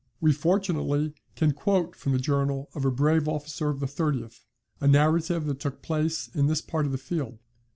We fortunately can quote from the journal of a brave officer of the 30th, a narrative of what took place in this part of the field.